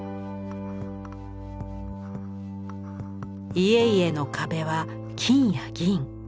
家々の壁は金や銀。